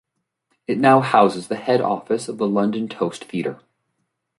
It now houses the head office of the London Toast Theatre.